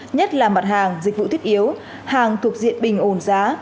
nhất là mặt hàng dịch vụ thiết yếu hàng thuộc diện bình ổn giá